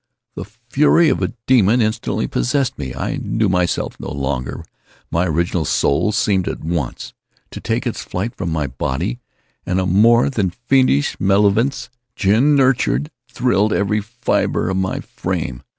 The fury of a demon instantly possessed me. I knew myself no longer. My original soul seemed, at once, to take its flight from my body and a more than fiendish malevolence, gin nurtured, thrilled every fibre of my frame.